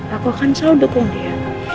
aku akan selalu dukung dia